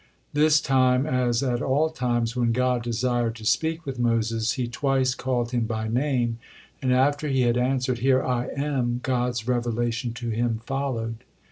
This time, as at all times, when God desired to speak with Moses, He twice called him by name, and after he had answered, "Here I am," God's revelation to him followed.